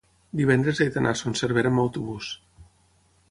Divendres he d'anar a Son Servera amb autobús.